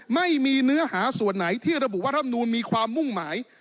ไม่มีเนื้อหาส่วนไหนที่ระบุว่ารำนูลมีความมุ่งหมาย